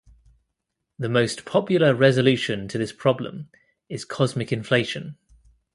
The most popular resolution to this problem is cosmic inflation.